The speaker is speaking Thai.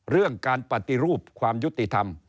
เรื่องการปฏิรูปความยุติธรรม